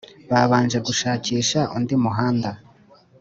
Babanje gushakisha undi muhanda